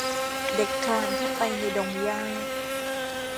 เด็กคลานเข้าไปในดงหญ้า